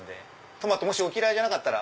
トマトお嫌いじゃなかったら。